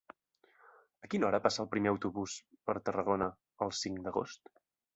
A quina hora passa el primer autobús per Tarragona el cinc d'agost?